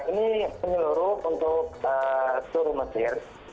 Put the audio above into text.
ini menyeluruh untuk seluruh mesir